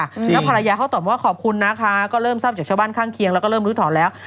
แล้วภรรยาเขาตอบว่าขอบคุณนะคะก็เริ่มทราบจากชาวบ้านข้างเคียงแล้วก็เริ่มลื้อถอนแล้ว